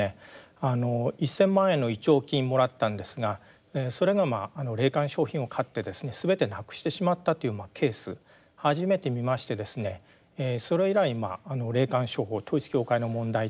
あの１，０００万円の弔慰金もらったんですがそれが霊感商品を買ってですね全てなくしてしまったというケース初めて見ましてですねそれ以来霊感商法統一教会の問題というのはやっております。